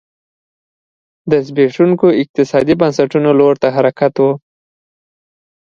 د زبېښونکو اقتصادي بنسټونو لور ته حرکت و